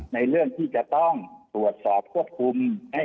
ในเรื่องที่จะต้องตรวจสอบควบคุม